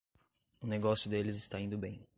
O negócio deles está indo bem